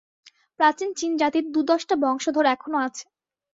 প্রাচীন চীন জাতির দু-দশটা বংশধর এখনও আছে।